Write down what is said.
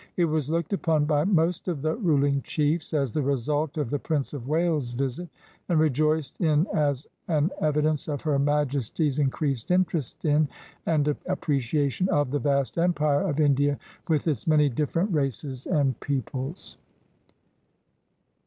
It was looked upon by most of the ruling chiefs as the result of the Prince of Wales's visit, and rejoiced in as an evidence of Her Majesty's increased interest in, and appreciation of, the vast Empire of India with its many different races and peoples.